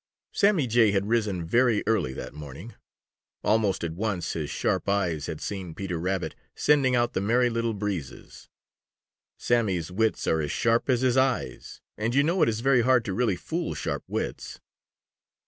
Sammy Jay had risen very early that morning. Almost at once his sharp eyes had seen Peter Rabbit sending out the Merry Little Breezes. Sammy's wits are as sharp as his eyes, and you know it is very hard to really fool sharp wits.